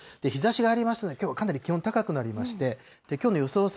日ざしがありますので、きょうはかなり気温高くなりまして、きょうの予想